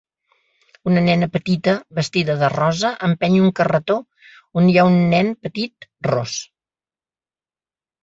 Una nena petita vestida de rosa empeny un carretó on hi ha un nen petit ros.